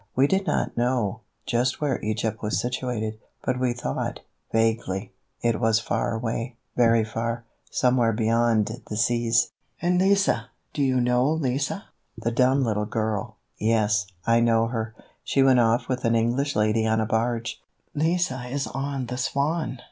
We did not know just where Egypt was situated, but we thought, vaguely, it was far away, very far, somewhere beyond the seas. "And Lise? Do you know Lise?" "The little dumb girl? Yes, I know her! She went off with an English lady on a barge." Lise on the _Swan!